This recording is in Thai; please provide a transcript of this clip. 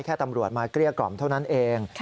ตำรวจมาเกลี้ยกล่อมเท่านั้นเอง